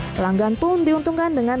pelanggan pun diuntungkan dengan